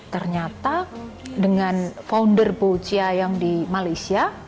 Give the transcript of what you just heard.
ternyata dengan founder boccia yang di malaysia